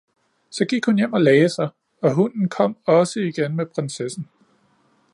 Så gik hun hjem og lagde sig, og hunden kom også igen med prinsessen.